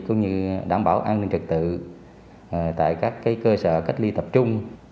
cũng như đảm bảo an ninh trật tự tại các cơ sở cách ly tập trung